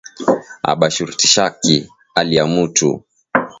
Aba shurtishaki ali ya mutu